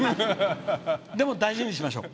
でも大事にしましょう。